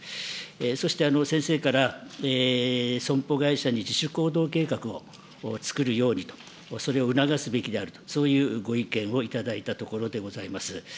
そして、先生から、損保会社に自主行動計画を作るようにと、それを促すべきであると、そういうご意見を頂いたところでございます。